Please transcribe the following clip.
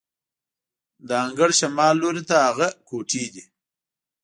د انګړ شمال لوري ته هغه کوټې دي.